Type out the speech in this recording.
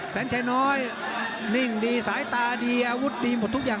แสนชัยน้อยนิ่งดีสายตาดีอาวุธดีหมดทุกอย่าง